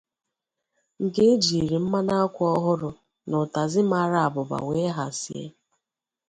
nke e jiri mmanụ akwụ ọhụrụ na ụtazị mara abụba wee hazie